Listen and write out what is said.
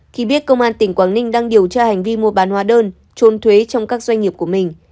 khi biết công an tỉnh quảng ninh đang điều tra hành vi mua bán hóa đơn trôn thuế trong các doanh nghiệp của mình